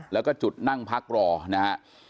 แล้วก็จุดนั่งพักรอนะฮะ